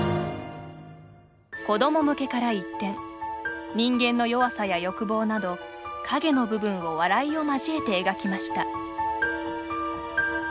子ども向けから一転人間の弱さや欲望など陰の部分を笑いを交えて描きました。